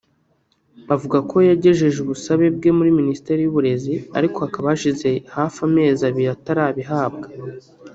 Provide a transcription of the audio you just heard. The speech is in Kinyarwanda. Avugako yagejeje ubusabe bwe muri Minisiteri y’Uburezi ariko hakaba hashize hafi amezi abiri atarabihabwa